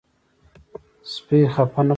سپي خفه نه پرېښوئ.